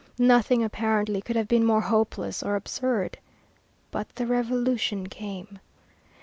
Nothing, apparently, could have been more hopeless or absurd. But the Revolution came.